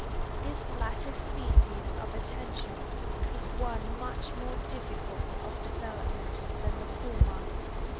This latter species of attention is one much more difficult of development than the former.